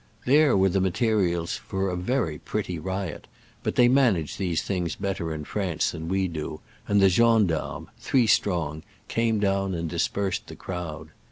There were the materials for a very pretty riot, but they manage these things better in France than we do, and the gensdarmes — ^three strong — came down and dispersed the crowd.